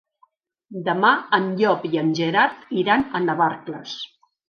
Demà en Llop i en Gerard iran a Navarcles.